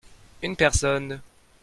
Une personne.